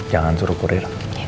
jangan suruh kurir